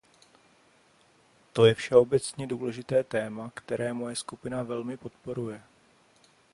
To je všeobecně důležité téma, které moje skupina velmi podporuje.